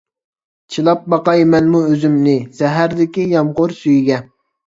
چىلاپ باقاي مەنمۇ ئۆزۈمنى، سەھەردىكى يامغۇر سۈيىگە.